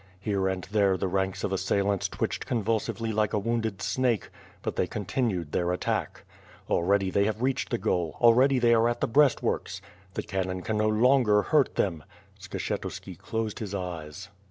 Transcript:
Here and there the ranks of assailants twitched convulsively hke a wounded snake, but th ey con tinued their attack. Already they have reached the goal! Already they are at the breastworks! The cannon can no longer hurt them! Skshetuski closes his eyes.